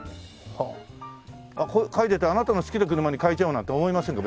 これ描いててあなたの好きな車に変えちゃおうなんて思いませんか？